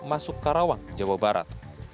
masuk karawang jawa barat